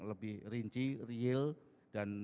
lebih rinci real dan